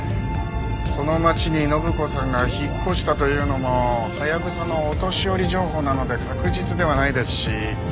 この町に展子さんが引っ越したというのもハヤブサのお年寄り情報なので確実ではないですし。